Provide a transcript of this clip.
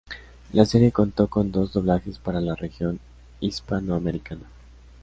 La serie contó con dos doblajes para la región hispanoamericana.